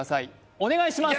お願いします